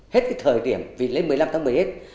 hết cái thời điểm vì lễ một mươi năm tháng một mươi hết